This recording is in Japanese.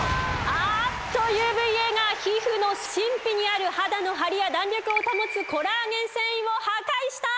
あっとＵＶーＡが皮膚の真皮にある肌のハリや弾力を保つコラーゲン線維を破壊した！